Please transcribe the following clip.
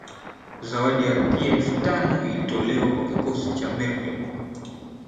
Zawadi ya rupia elfu tano ilitolewa kwa kikosi cha Merkl